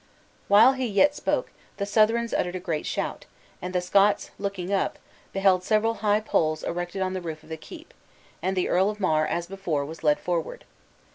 While he yet spoke, the Southrons uttered a great shout, and the Scots looking up, beheld several high poles erected on the roof of the keep, and the Earl of Mar, as before, was led forward.